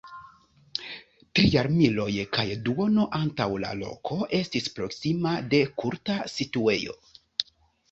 Tri jarmiloj kaj duono antaŭ, la loko estis proksima de kulta situejo.